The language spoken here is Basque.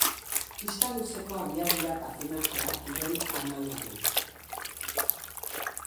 Pista luzeko abiadura-patinajea kirol anaia du.